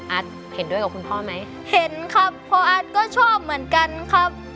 เห็นด้วยกับคุณพ่อไหมเห็นครับพ่ออาร์ตก็ชอบเหมือนกันครับ